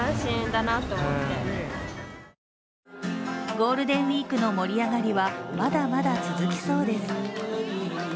ゴールデンウイークの盛り上がりはまだまだ続きそうです。